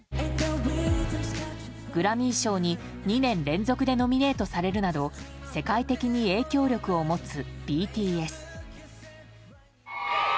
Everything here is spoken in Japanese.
グラミー賞に２年連続でノミネートされるなど世界的に影響力を持つＢＴＳ。